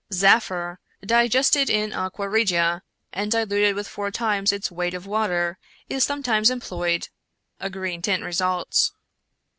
Zaffre, digested in aqua regia, and diluted with four times its weight of water, is sometimes employed ; a green tint results.